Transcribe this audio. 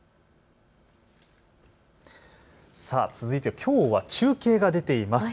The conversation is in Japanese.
続いてきょうは中継が出ています。